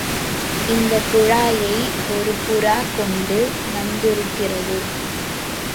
இந்தக் குழாயை ஒரு புறா கொண்டு வந்திருக்கிறது.